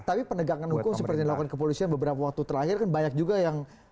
tapi penegakan hukum seperti yang dilakukan kepolisian beberapa waktu terakhir kan banyak juga yang